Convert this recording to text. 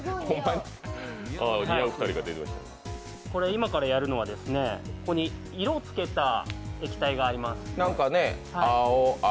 今からやるのは、ここに色をつけた液体があります。